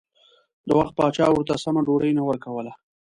د وخت پاچا ورته سمه ډوډۍ نه ورکوله.